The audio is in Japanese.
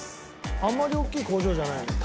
あんまり大きい工場じゃないね。